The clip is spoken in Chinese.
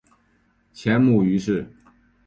前母俞氏。